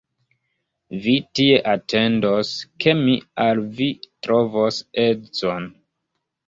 Vi tie atendos, ke mi al vi trovos edzon.